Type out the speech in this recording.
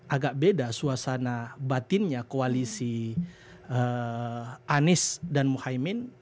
agak beda suasana batinnya koalisi anies dan muhaymin